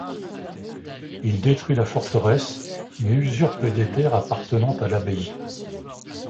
Il détruit la forteresse mais usurpe des terres appartenant à l'abbaye.